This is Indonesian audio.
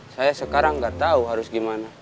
saya sekarang nggak tahu harus gimana